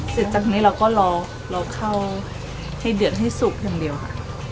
จากนี้เราก็รอเข้าให้เดือดให้สุกอย่างเดียวค่ะ